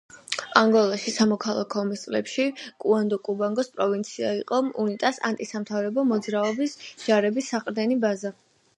ანგოლაში სამოქალაქო ომის წლებში კუანდო-კუბანგოს პროვინცია იყო უნიტას ანტისამთავრობო მოძრაობის ჯარების საყრდენი ბაზა.